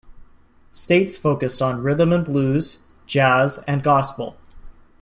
States focused on rhythm and blues, jazz, and gospel.